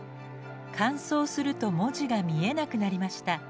乾燥すると文字が見えなくなりました。